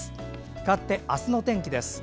かわって明日の天気です。